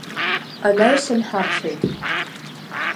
Анаҩсан ҳаԥхьоит…